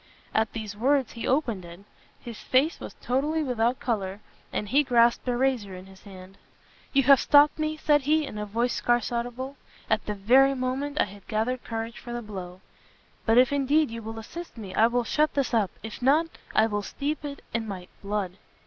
At these words he opened it; his face was totally without colour, and he grasped a razor in his hand. "You have stopt me," said he, in a voice scarce audible, "at the very moment I had gathered courage for the blow: but if indeed you will assist me, I will shut this up, if not, I will steep it in my blood!"